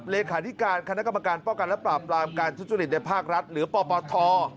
เลขาธิการคณะกรรมการป้องกันและปราบรามการทุจริตในภาครัฐหรือปปท